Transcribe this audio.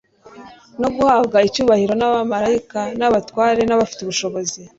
no guhabwa icyubahiro n'abamaraika n'abatware n'abafite ubushobozi.